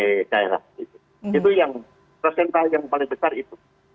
itu yang prosental yang paling besar itu